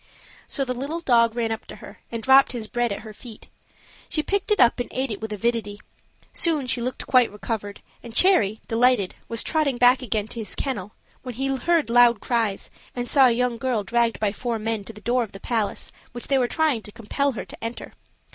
So the little dog ran up to her and dropped his bread at her feet; she picked it up and ate it with avidity. Soon she looked quite recovered, and Cherry, delighted, was trotting back again to his kennel, when he heard loud cries, and saw a young girl dragged by four men to the door of the palace, which they were trying to compel her to enter.